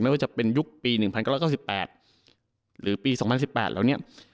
ว่าจะเป็นยุคปี๑๙๙๘หรือปี๒๐๑๘แล้วเนี่ย